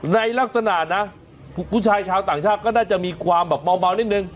ในลักษณะนะผู้ชายชาวต่างชาติก็น่าจะมีความแบบเมานิดนึง